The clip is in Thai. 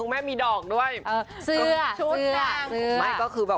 แม่บอกว่าลูกหน้าไปนะ